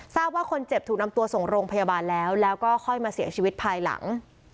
ทราบว่าคนเจ็บถูกนำตัวส่งโรงพยาบาลแล้วแล้วก็ค่อยมาเสียชีวิตภายหลัง